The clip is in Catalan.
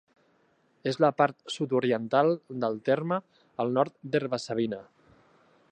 És a la part sud-oriental del terme, al nord d'Herba-savina.